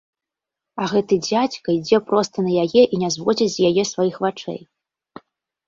А гэты дзядзька ідзе проста на яе і не зводзіць з яе сваіх вачэй.